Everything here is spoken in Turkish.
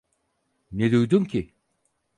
Ne duydun ki?